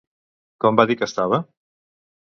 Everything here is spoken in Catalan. Com va dir que estava?